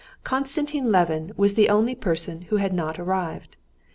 Konstantin Levin was the only person who had not arrived.